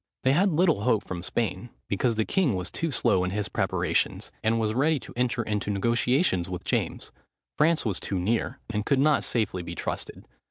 They had little hope from Spain, because the king was too slow in his preparations, and was ready to enter into negotiations with James: France was too near, and could not safely be trusted.